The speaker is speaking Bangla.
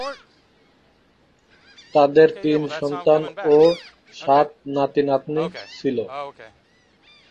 তাদের তিন সন্তান ও সাত নাতি-নাতনী ছিল।